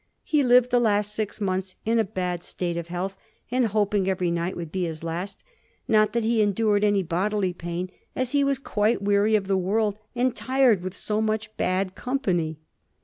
He lived the last six months in a bad state of health, and hoping every night would be his last; not that he endured any bodily pain, but as he was quite weary of the world, and tired with so much bad company."